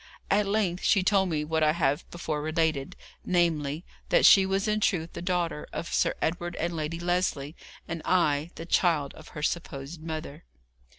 At length she told me what I have before related namely, that she was in truth the daughter of Sir Edward and Lady Lesley, and I the child of her supposed mother.